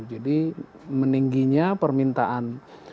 jadi meningginya permintaan